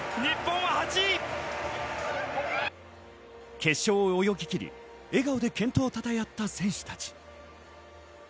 決勝を泳ぎきり、笑顔で健闘をたたえ合った選手たち。